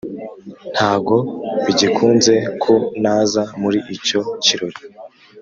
ntago bigikunze ko naza muri icyo kirori